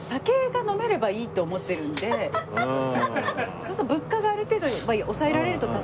そうすると物価がある程度抑えられると助かるし。